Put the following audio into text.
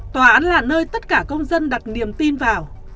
tòa án là nơi tất cả công dân đặt niềm tin vào